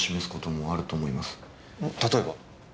例えば？